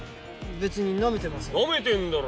別になめてません。